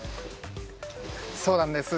そうなんです。